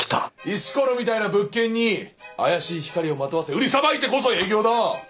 石ころみたいな物件に怪しい光をまとわせ売りさばいてこそ営業だ！